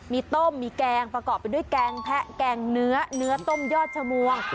มีต้มมีแกงประกอบไปด้วยแกงแพะแกงเนื้อเนื้อต้มยอดชมวง